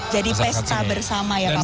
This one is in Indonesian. jadi pesta bersama ya pak presiden